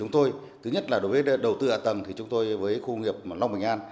thứ nhất là đối với đầu tư hạ tầng thì chúng tôi với khu nghiệp long bình an